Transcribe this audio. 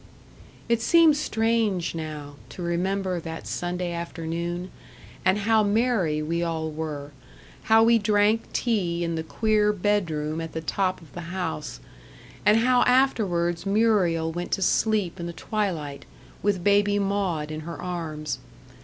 It seems strange now, to remember that Sunday afternoon, and how merry we all were; how we drank tea in the queer bed room at the top of the house; and how afterwards Muriel went to sleep in the twilight, with baby Maud in her arms.